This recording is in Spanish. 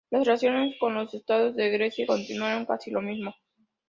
Las relaciones con los Estados de Grecia continuaron casi lo mismo.